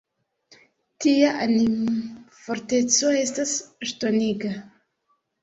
Tia animforteco estas ŝtoniga.